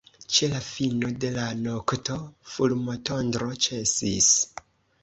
Ĉe la fino de la nokto fulmotondro ĉesis.